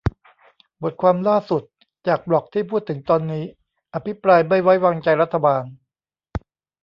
บทความล่าสุด จากบล็อกที่พูดถึงตอนนี้ อภิปรายไม่ไว้วางใจรัฐบาล